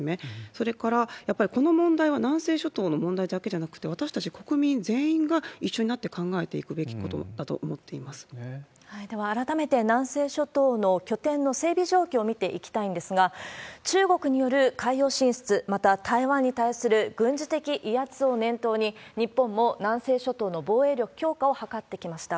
それから、やっぱりこの問題は南西諸島の問題だけじゃなくて、私たち国民全員が一緒になって考えていくべきことだと思っていまでは改めて、南西諸島の拠点の整備状況を見ていきたいんですが、中国による海洋進出、また、台湾に対する軍事的威圧を念頭に、日本も南西諸島の防衛力強化を図ってきました。